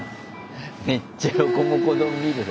めっちゃロコモコ丼見るな。